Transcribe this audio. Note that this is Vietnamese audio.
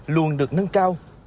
luôn được nâng cao